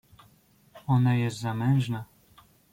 "Ona jest zamężna."